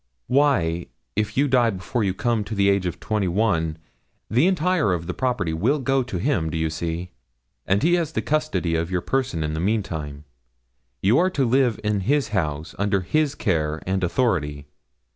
'Why, if you die before you come to the age of twenty one, the entire of the property will go to him do you see? and he has the custody of your person in the meantime; you are to live in his house, under his care and authority.